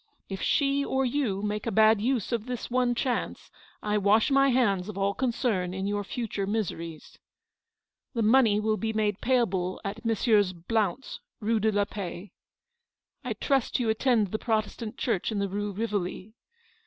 If she or you make a bad use of this one chance, I wash my hands of all concern in your future miseries. " The money will be made payable at Messrs. Blount's, Rue de la Paix. " I trust you attend the Protestant Church in the Rue Rivoli.